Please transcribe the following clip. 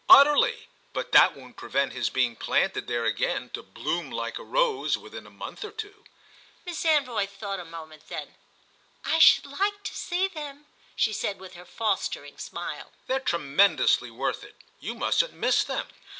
"Utterly. But that won't prevent his being planted there again, to bloom like a rose, within a month or two." Miss Anvoy thought a moment. Then, "I should like to see them," she said with her fostering smile. "They're tremendously worth it. You mustn't miss them."